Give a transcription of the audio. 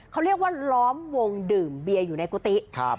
เขาเรียกว่าล้อมวงดื่มเบียอยู่ในกุฏิครับ